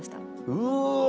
うわ！